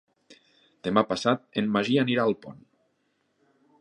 Demà passat en Magí anirà a Alpont.